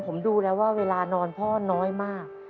ผมดูแล้วว่าเวลานอนพ่อน้อยมาก